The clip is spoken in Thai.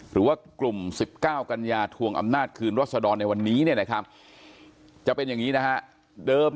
หรือว่ากลุ่ม๑๙กัญญาถวงอำนาจคืนรสดรในวันนี้